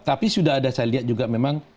tapi sudah ada saya lihat juga memang